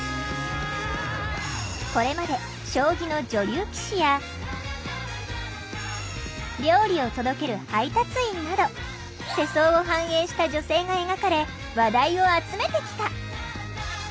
これまで将棋の女流棋士や料理を届ける配達員など世相を反映した女性が描かれ話題を集めてきた。